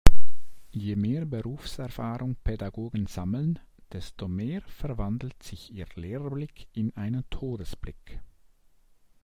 Je mehr Berufserfahrung Pädagogen sammeln, desto mehr verwandelt sich ihr Lehrerblick in einen Todesblick.